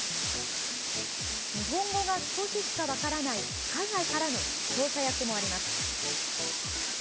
日本語が少ししか分からない海外からの出張者役もあります。